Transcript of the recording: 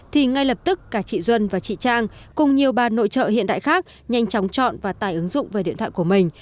thì ngay lập tức cả chị duân và chị trang cùng nhiều bà nội trợ hiện đại khác nhanh chóng chọn và tải ứng dụng về điện thoại của mình